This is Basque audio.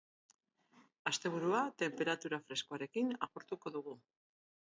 Asteburua tenperatura freskoarekin agurtuko dugu.